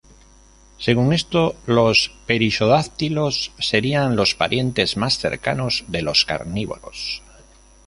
Según esto, los perisodáctilos serían los parientes más cercanos de los carnívoros.